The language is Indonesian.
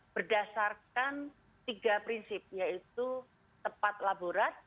berdasarkan tiga prinsip yaitu tepat laborat